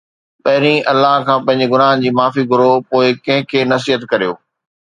پهرين الله کان پنهنجي گناهن جي معافي گهرو، پوءِ ڪنهن کي نصيحت ڪريو